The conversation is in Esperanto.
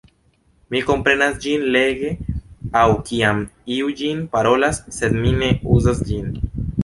Mi komprenas ĝin lege aŭ kiam iu ĝin parolas, sed mi ne uzas ĝin.